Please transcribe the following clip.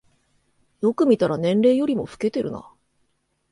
よく見たら年齢よりも老けてるな